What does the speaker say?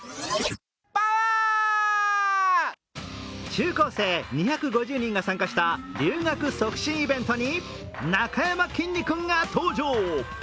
中高生２５０人が参加した留学促進イベントになかやまきんに君が登場。